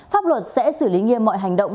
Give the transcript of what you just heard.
pháp luật sẽ xử lý nghiêm mọi hành động